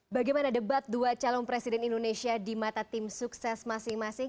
bagaimana debat dua calon presiden indonesia di mata tim sukses masing masing